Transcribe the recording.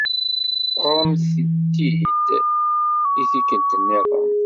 Ɣṛemt-it-id i tikkelt nniḍen.